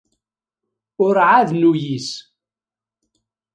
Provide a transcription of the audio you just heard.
Ur ɛad nuyis.